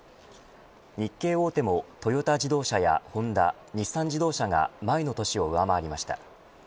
日系大手もトヨタ自動車やホンダ日産自動車が前の年を上回りました。